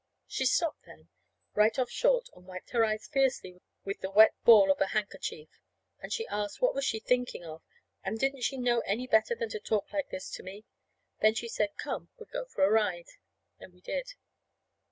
She stopped then, right off short, and wiped her eyes fiercely with her wet ball of a handkerchief. And she asked what was she thinking of, and didn't she know any better than to talk like this to me. Then she said, come, we'd go for a ride. And we did.